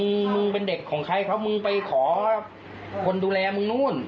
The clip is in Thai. มึงมึงเป็นเด็กของใครครับมึงไปขอคนดูแลมึงนู่น